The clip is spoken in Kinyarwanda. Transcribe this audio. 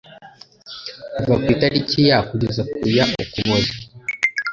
kuva tariki ya kugeza ku ya Ukuboza